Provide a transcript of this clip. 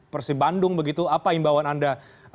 persib bandung begitu apa imbauan anda